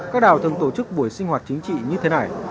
các đảo thường tổ chức buổi sinh hoạt chính trị như thế này